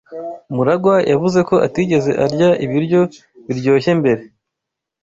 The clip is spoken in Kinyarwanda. MuragwA yavuze ko atigeze arya ibiryo biryoshye mbere.